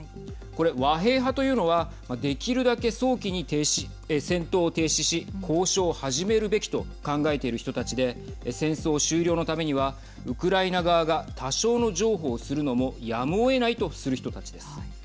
これ、和平派というのはできるだけ早期に戦闘を停止し交渉を始めるべきと考えている人たちで戦争終了のためにはウクライナ側が多少の譲歩をするのもやむをえないとする人たちです。